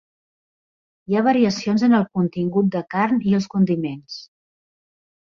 Hi ha variacions en el contingut de carn i els condiments.